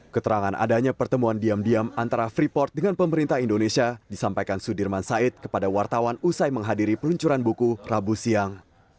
keterangan adanya pertemuan diam diam antara freeport dengan pemerintah indonesia disampaikan sudirman said kepada wartawan usai menghadiri peluncuran buku rabu siang